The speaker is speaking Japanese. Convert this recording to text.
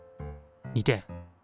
２点。